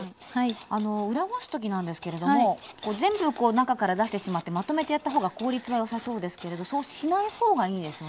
あの裏ごす時なんですけれども全部中から出してしまってまとめてやった方が効率はよさそうですけれどそうしない方がいいんですよね？